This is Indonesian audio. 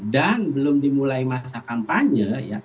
dan belum dimulai masa kampanye